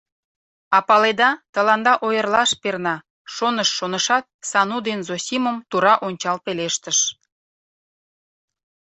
— А паледа, тыланда ойырлаш перна, — шоныш-шонышат, Сану ден Зосимым тура ончал пелештыш.